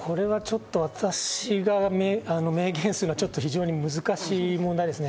私が明言するのは非常に難しい問題ですね。